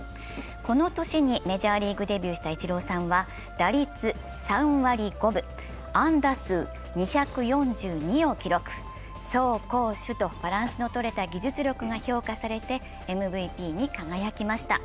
この年にメジャーリーグデビューしたイチローさんは打率３割５分、安打数２４２を記録走攻守とバランスのとれた技術力が評価されてＭＶＰに輝きました。